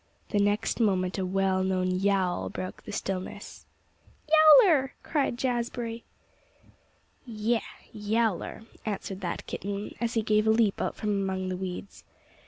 The next moment a well known yowl broke the stillness. "Yowler!" cried Jazbury. "Yeh! Yowler," answered that kitten, as he gave a leap out from among the weeds.